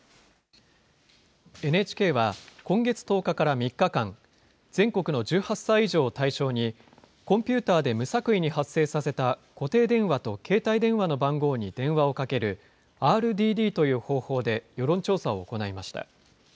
ＮＨＫは、今月１０日から３日間、全国の１８歳以上を対象に、コンピューターで無作為に発生させた固定電話と携帯電話の番号に電話をかけるＲＤＤという方法で世論調査を行いました。